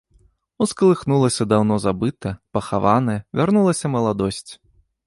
Ускалыхнулася даўно забытае, пахаванае, вярнулася маладосць.